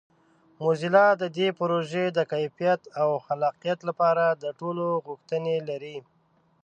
موزیلا د دې پروژې د کیفیت او خلاقیت لپاره د ټولو غوښتنې لري.